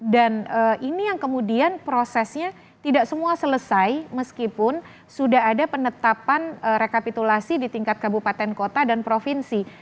dan ini yang kemudian prosesnya tidak semua selesai meskipun sudah ada penetapan rekapitulasi di tingkat kabupaten kota dan provinsi